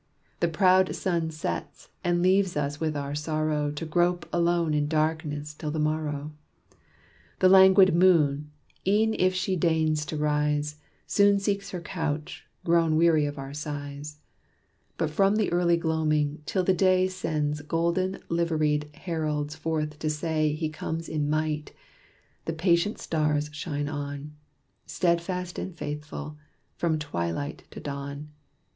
The proud sun sets, and leaves us with our sorrow, To grope alone in darkness till the morrow. The languid moon, e'en if she deigns to rise, Soon seeks her couch, grown weary of our sighs; But from the early gloaming till the day Sends golden liveried heralds forth to say He comes in might; the patient stars shine on, Steadfast and faithful, from twilight to dawn.